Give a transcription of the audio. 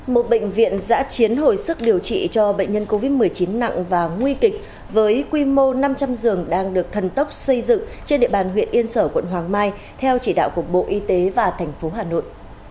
một bệnh viện giã chiến hồi sức điều trị cho bệnh nhân covid một mươi chín nặng và nguy kịch với quy mô năm trăm linh giường đang được thần tốc xây dựng trên địa bàn huyện yên sở quận hoàng mai theo chỉ đạo của bộ y tế và thành phố hà nội